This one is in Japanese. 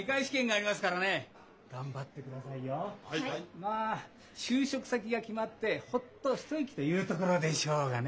まあ就職先が決まってほっと一息というところでしょうがね。